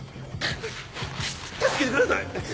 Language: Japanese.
助けてください！